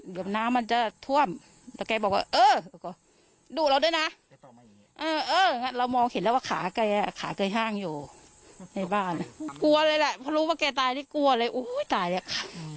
เดี๋ยวน้ำมันจะท่วมแต่แกบอกว่าเออดุเราด้วยนะเรามองเห็นแล้วว่าขาแกขาแกห้างอยู่ในบ้านกลัวเลยแหละเพราะรู้ว่าแกตายนี่กลัวเลยอุ้ยตายแล้ว